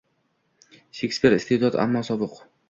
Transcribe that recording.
Shekspir — iste’dod, ammo sovuq.